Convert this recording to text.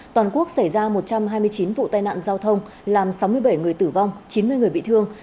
toàn quốc xảy ra một trăm hai mươi chín vụ tai nạn giao thông làm sáu mươi bảy người tử vong chín mươi người bị thương